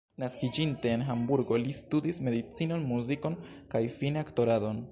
Naskiĝinte en Hamburgo, li studis medicinon, muzikon kaj fine aktoradon.